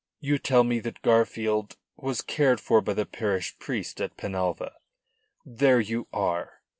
"You tell me that Garfield was cared for by the parish priest at Penalva. There you are.